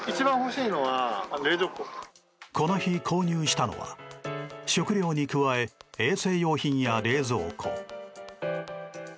この日購入したのは食料に加え、衛生用品や冷蔵庫。